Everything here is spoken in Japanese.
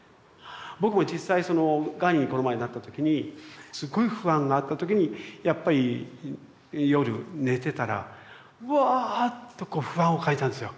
僕も実際そのがんにこの前なった時にすごい不安があった時にやっぱり夜寝てたらうわぁとこう不安を感じたんですよ。